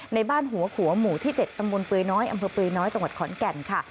ในบ้านหัวขัวหมู่ที่๗ตำบลเปยน้อยอำเภอเปยน้อยจังหวัดขอนแก่นค่ะ